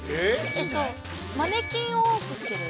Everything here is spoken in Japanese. えっと、マネキンを多くしてる？